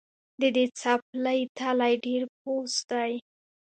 د دې څپلۍ تلی ډېر پوست دی